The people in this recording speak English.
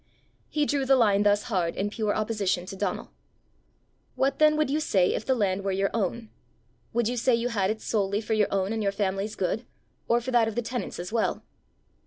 He drew the line thus hard in pure opposition to Donal. "What then would you say if the land were your own? Would you say you had it solely for your own and your family's good, or for that of the tenants as well?"